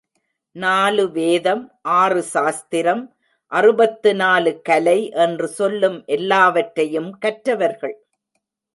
நாலு வேதம், ஆறு சாஸ்திரம், அறுபத்து நாலு கலை என்று சொல்லும் எல்லாவற்றையும் கற்றவர்கள்.